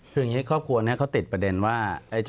คืออย่างนี้ครอบครัวนี้เขาติดประเด็นว่า